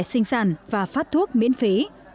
sinh sản và phát thuốc miễn phí